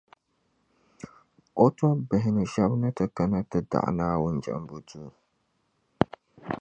O tɔbbihi ni shɛb’ ni ti kana ti daɣi Naawuni jɛmbu duu.